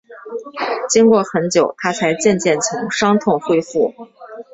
经过很久，她才渐渐从伤痛恢复